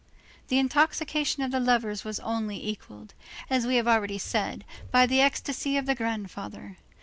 The intoxication of the lovers was only equalled, as we have already said, by the ecstasy of the grandfather.